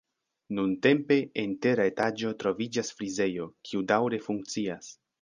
Nuntempe, en tera etaĝo troviĝas frizejo, kiu daŭre funkcias.